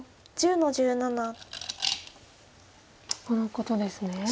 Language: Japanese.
このことですね。